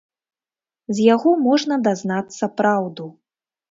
З яго можна дазнацца праўду.